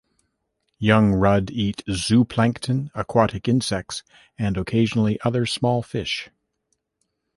Young rudd eat zooplankton, aquatic insects, and occasionally other small fish.